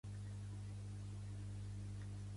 L'espècie passa l'hivern com pupa.